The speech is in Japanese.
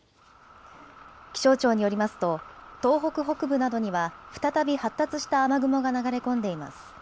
気象庁によりますと東北北部などには再び発達した雨雲が流れ込んでいます。